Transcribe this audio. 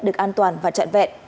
được an toàn và trận vẹn